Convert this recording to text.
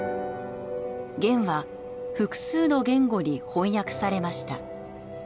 『ゲン』は複数の言語に翻訳されました。